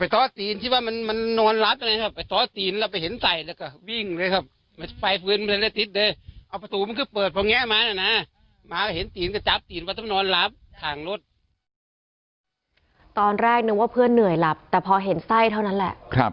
ตอนแรกนึกว่าเพื่อนเหนื่อยหลับแต่พอเห็นไส้เท่านั้นแหละ